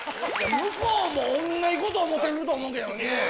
向こうも同じこと思てると思うけどね。